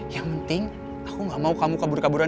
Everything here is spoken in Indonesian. yang penting aku gak mau kamu kabur kabur lagi